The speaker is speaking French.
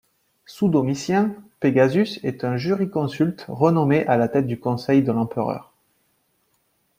Sous Domitien, Pegasus est un jurisconsulte renommé à la tête du conseil de l'empereur.